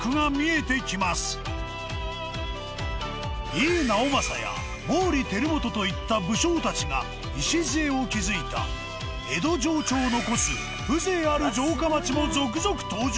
井伊直政や毛利輝元といった武将たちが礎を築いた江戸情緒を残す風情ある城下町も続々登場！